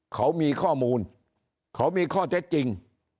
เขามีข้อมูลเขามีข้อเท็จจริง